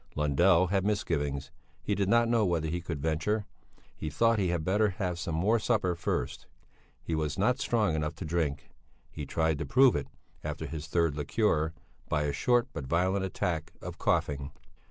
Lundell had misgivings; he did not know whether he could venture. He thought he had better have some more supper first; he was not strong enough to drink. He tried to prove it, after his third liqueur, by a short but violent attack of coughing.